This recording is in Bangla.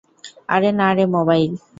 আরে না রে, মোবাইল।